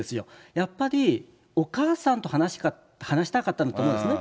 やっぱり、お母さんと話したかったんだと思うんですね。